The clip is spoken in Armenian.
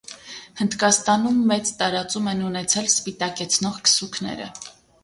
Հնդկաստանում մեծ տարածում են ունեցել սպիտակեցնող քսուքները։